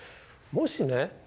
もしね